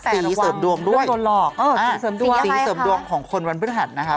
สีเสริมดวงสิมดวงสิมดวงของคนวันเพื่อนหันนะคะ